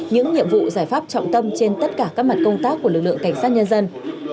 những nhiệm vụ giải pháp trọng tâm trên tất cả các mặt công tác của lực lượng cảnh sát nhân dân